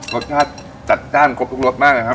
รสชาติจัดจ้านครบทุกรสมากเลยครับ